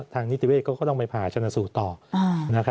นิติเวศเขาก็ต้องไปผ่าชนสูตรต่อ